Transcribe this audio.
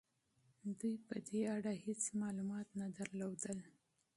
دوی په دې اړه هيڅ معلومات نه درلودل.